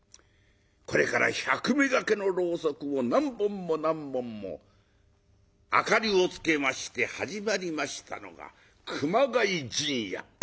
これから百目がけのろうそくを何本も何本も明かりをつけまして始まりましたのが「熊谷陣屋」。